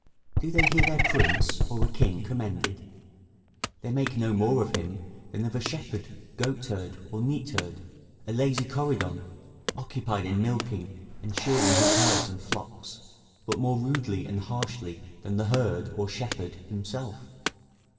Do they hear their prince, or a king commended? they make no more of him, than of a shepherd, goatherd, or neatherd: a lazy Coridon, occupied in milking and shearing his herds and flocks, but more rudely and harshly than the herd or shepherd himself.